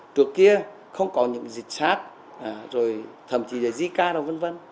trước kia không có những dịch sars rồi thậm chí là zika và vân vân